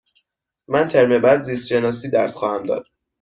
من ترم بعد زیست شناسی درس خواهم داد.